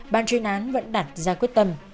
ban chuyên án vẫn đặt ra quyết tâm